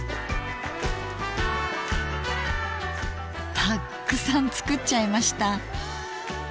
たっくさん作っちゃいました。